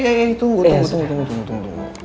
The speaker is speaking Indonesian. iya iya itu tunggu tunggu tunggu